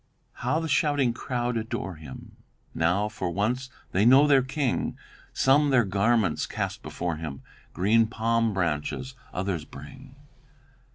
"'How the shouting crowd adore him, Now, for once, they know their King; Some their garments cast before him, Green palm branches others bring.